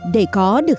để có được